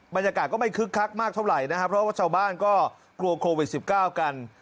บรรยากาศก็ไม่คึกคักมากเท่าไหร่นะครับเพราะว่าชาวบ้านก็กลัวโควิด๑๙กัน